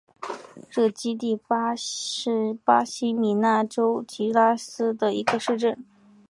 热基蒂巴是巴西米纳斯吉拉斯州的一个市镇。